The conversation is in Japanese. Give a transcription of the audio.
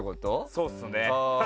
そうですね。